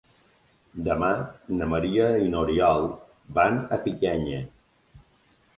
Demà na Maria i n'Oriol van a Picanya.